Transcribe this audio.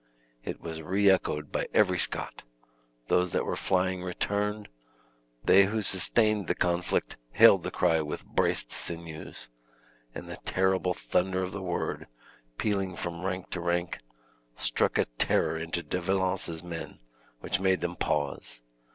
It was re echoed by every Scot; those that were flying returned; they who sustained the conflict hailed the cry with braces sinews; and the terrible thunder of the word, pealing from rank to rank, struck a terror into De Valence's men, which made them pause.